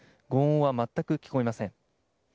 轟音は全く聞こえません。